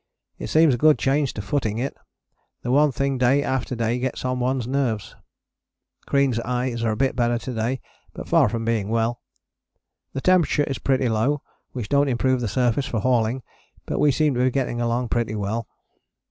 It seems a good change to footing it, the one thing day after day gets on one's nerves. Crean's eyes are a bit better to day, but far from being well. The temperature is pretty low, which dont improve the surface for hauling, but we seem to be getting along pretty well.